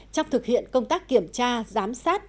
trong thực hiện công tác kiểm tra giám sát